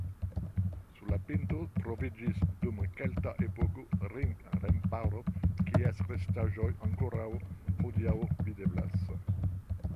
Sur la pinto troviĝis dum kelta epoko ring-remparo, kies restaĵoj ankoraŭ hodiaŭ videblas.